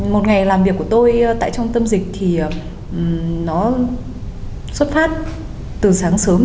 một ngày làm việc của tôi tại trong tâm dịch thì nó xuất phát từ sáng sớm